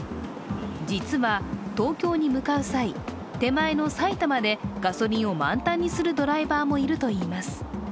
実は、東京に向かう際、手前の埼玉でガソリンを満タンにするドライバーもいるといいます。